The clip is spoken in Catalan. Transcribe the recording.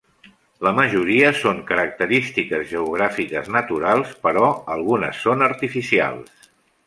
La majoria són característiques geogràfiques naturals, però algunes són artificials.